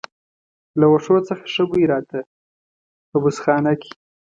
له وښو څخه ښه بوی راته، په بوس خونه کې.